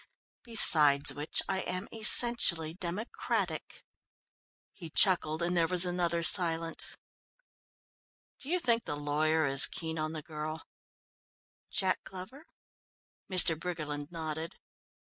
Beside which, I am essentially democratic." He chuckled, and there was another silence. "Do you think the lawyer is keen on the girl?" "Jack Glover?" Mr. Briggerland nodded.